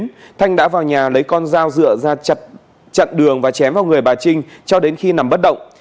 sau đó thanh đã vào nhà lấy con dao dựa ra chặt đường và chém vào người bà trinh cho đến khi nằm bất động